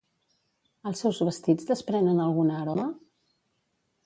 Els seus vestits desprenen alguna aroma?